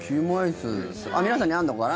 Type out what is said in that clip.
皆さんにあるのかな？